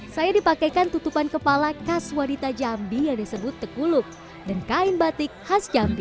saya dipakaikan tutupan kepala khas wanita jambi yang disebut tekuluk dan kain batik khas jambi